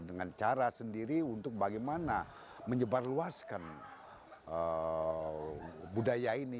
dengan cara sendiri untuk bagaimana menyebarluaskan budaya ini